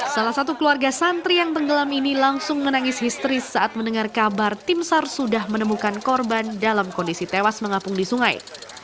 salah satu keluarga santri yang tenggelam ini langsung menangis histeris saat mendengar kabar tim sar sudah menemukan korban dalam kondisi tewas mengapung di sungai